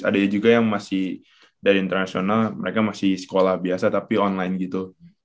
ada juga yang masih dari internasional mereka masih sekolah biasa tapi online gitu